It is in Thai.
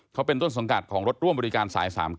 เขาเป็นต้นสังกัดของรถร่วมบริการสาย๓๙